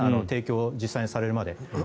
提供、実際にされるまで。